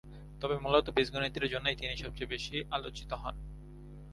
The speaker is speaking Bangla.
তবে মূলত বীজগণিতের জন্যই তিনি সবচেয়ে বেশি আলোচিত হন।